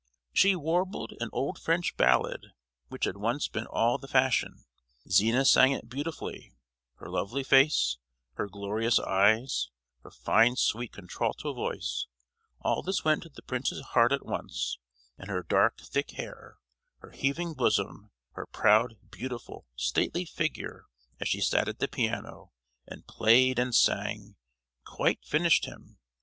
She warbled an old French ballad which had once been all the fashion. Zina sang it beautifully; her lovely face, her glorious eyes, her fine sweet contralto voice, all this went to the prince's heart at once; and her dark thick hair, her heaving bosom, her proud, beautiful, stately figure as she sat at the piano, and played and sang, quite finished him.